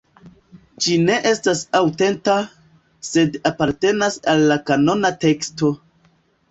Ĝi ne estas aŭtenta, sed apartenas al la kanona teksto.